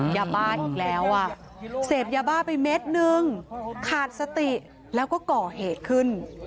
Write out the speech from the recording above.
ยาบ้าอีกแล้วอ่ะเสพยาบ้าไปเม็ดนึงขาดสติแล้วก็ก่อเหตุขึ้น